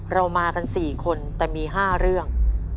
เรามากัน๔คนแต่มี๕เรื่อง